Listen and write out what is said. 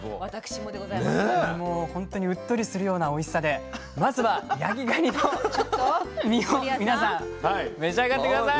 もう本当にうっとりするようなおいしさでまずは焼きがにの身を皆さん召し上がって下さい。